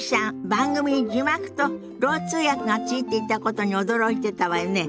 番組に字幕とろう通訳がついていたことに驚いてたわよね。